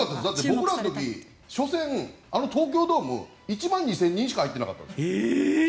僕らの時初戦、東京ドーム１万２０００人しか入ってなかったです。